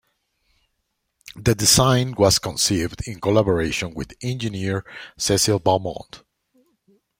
The design was conceived in collaboration with engineer Cecil Balmond.